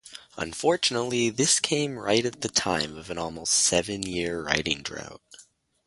Unfortunately this came right at the time of an almost seven-year writing drought.